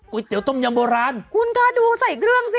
เตี๋ยต้มยำโบราณคุณคะดูใส่เครื่องสิ